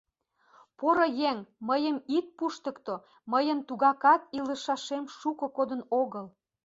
Поро еҥ, мыйым ит пуштыкто, мыйын тугакат илышашем шуко кодын огыл.